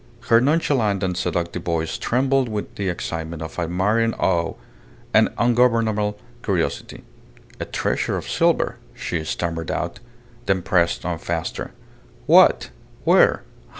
Her nonchalant and seductive voice trembled with the excitement of admiring awe and ungovernable curiosity. "A treasure of silver!" she stammered out. Then pressed on faster: "What? Where?